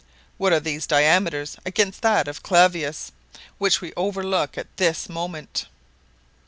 What are these diameters against that of Clavius, which we overlook at this moment?"